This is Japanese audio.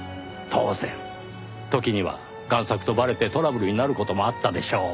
当然時には贋作とバレてトラブルになる事もあったでしょう。